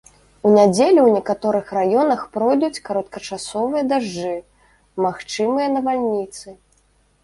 У нядзелю ў некаторых раёнах пройдуць кароткачасовыя дажджы, магчымыя навальніцы.